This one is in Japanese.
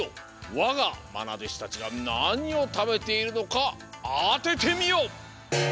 わがまなでしたちがなにをたべているのかあててみよ！